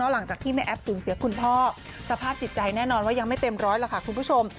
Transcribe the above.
หลังจากที่แม่แอฟสูญเสียคุณพ่อสภาพจิตใจแน่นอนว่ายังไม่เต็มร้อยหรอกค่ะคุณผู้ชม